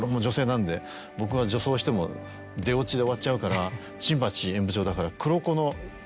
僕が女装しても出オチで終わっちゃうから新橋演舞場だから。